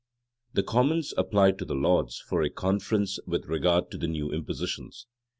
The commons applied to the lords for a conference with regard to the new impositions.